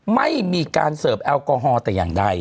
ไม่มีการเสิร์ฟแอลกอฮอลแต่อย่างใด